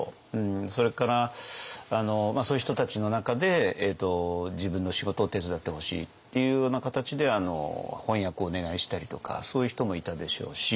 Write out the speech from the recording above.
それからそういう人たちの中で自分の仕事を手伝ってほしいっていうような形で翻訳をお願いしたりとかそういう人もいたでしょうし。